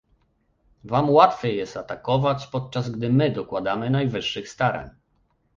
Wam łatwiej jest atakować, podczas gdy my dokładamy najwyższych starań